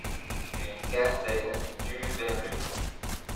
Une quinzaine d'huluberlus.